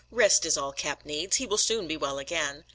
"Rest is all Cap needs; he will soon be well again."